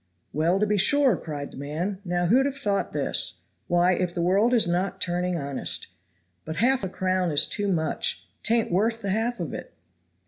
"Well, to be sure," cried the man. "Now who'd have thought this? Why, if the world is not turning honest. But half a crown is too much; 'tain't worth the half of it."